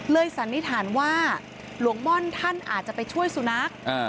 สันนิษฐานว่าหลวงม่อนท่านอาจจะไปช่วยสุนัข